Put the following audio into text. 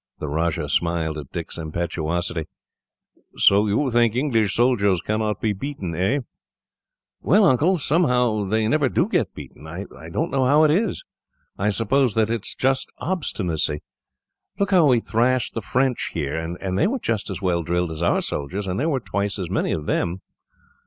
The Rajah smiled at Dick's impetuosity. "So you think English soldiers cannot be beaten, eh?" "Well, Uncle, somehow they never do get beaten. I don't know how it is. I suppose that it is just obstinacy. Look how we thrashed the French here, and they were just as well drilled as our soldiers, and there were twice as many of them."